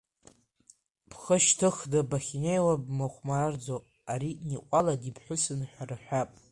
Бхы шьҭыхны бахьнеиуа бмыхәмарӡо, ари Никәала диԥҳәысын ҳәа рҳәап.